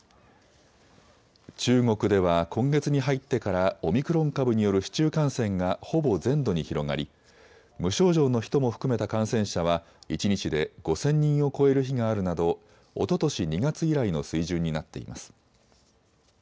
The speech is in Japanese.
中国では今月に入ってからオミクロン株による市中感染がほぼ全土に広がり無症状の人も含めた感染者は一日で５０００人を超える日があるなどおととし２月以来の水準になっています。